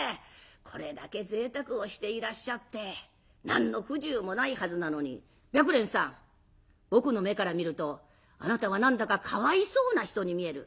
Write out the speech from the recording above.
これだけ贅沢をしていらっしゃって何の不自由もないはずなのに白蓮さん僕の目から見るとあなたは何だかかわいそうな人に見える。